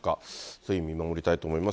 推移見守りたいと思います。